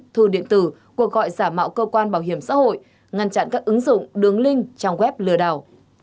thư điện tử cuộc gọi giả mạo cơ quan bảo hiểm xã hội ngăn chặn các ứng dụng đường link trang web lừa đảo